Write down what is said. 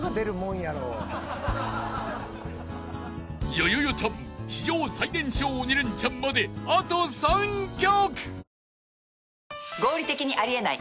［よよよちゃん史上最年少鬼レンチャンまであと３曲！］